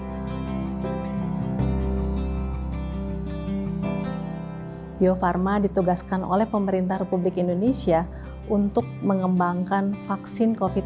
pertama ditugaskan oleh pemerintah republik indonesia untuk mengembangkan vaksin covid sembilan belas